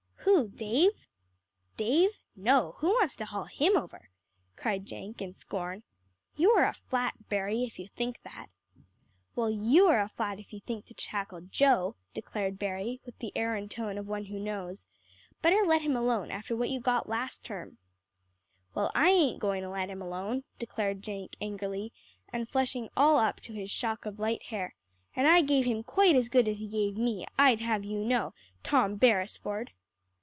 "Who Dave?" "Dave? No. Who wants to haul him over?" cried Jenk in scorn. "You are a flat, Berry, if you think that." "Well, you are a flat, if you think to tackle Joe," declared Berry with the air and tone of one who knows. "Better let him alone, after what you got last term." "Well, I ain't going to let him alone," declared Jenk angrily, and flushing all up to his shock of light hair; "and I gave him quite as good as he gave me, I'd have you know, Tom Beresford."